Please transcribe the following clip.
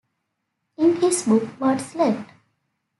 In his book What's Left?